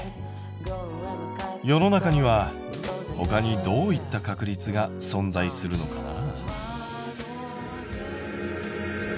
世の中にはほかにどういった確率が存在するのかな？